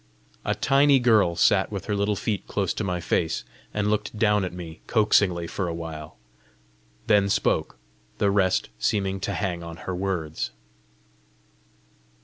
A tiny girl sat with her little feet close to my face, and looked down at me coaxingly for a while, then spoke, the rest seeming to hang on her words.